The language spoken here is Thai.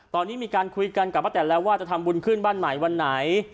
ตอนนี้มีการคุยกันกับป้าแตนแล้วว่าจะทำบุญขึ้นบ้านใหม่วันไหน